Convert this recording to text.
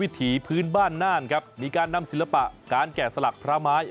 ถีพื้นบ้านน่านครับมีการนำศิลปะการแก่สลักพระไม้